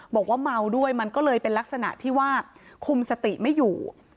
บอกว่าเมาด้วยมันก็เลยเป็นลักษณะที่ว่าคุมสติไม่อยู่